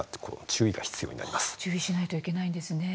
注意しないといけないんですね。